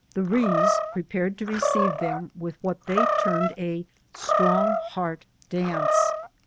The Rees prepared to receive them with what they termed a " Strong Heart " dance.